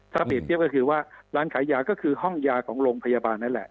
ถ้าเปรียบเทียบก็คือว่าร้านขายยาก็คือห้องยาของโรงพยาบาลนั่นแหละ